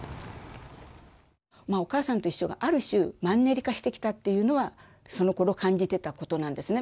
まあ「おかあさんといっしょ」がある種マンネリ化してきたっていうのはそのころ感じてたことなんですね。